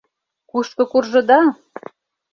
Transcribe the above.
— Кушко куржыда?